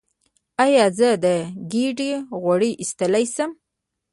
ایا زه د ګیډې غوړ ایستلی شم؟